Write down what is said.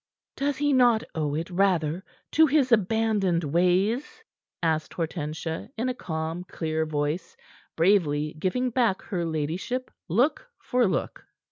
"Does he not owe it, rather, to his abandoned ways?" asked Hortensia, in a calm, clear voice, bravely giving back her ladyship look for look.